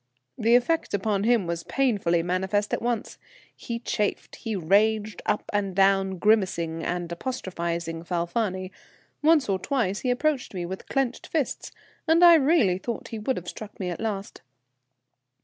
The effect upon him was painfully manifest at once. He chafed, he raged up and down, grimacing and apostrophizing Falfani; once or twice he approached me with clenched fists, and I really thought would have struck me at last.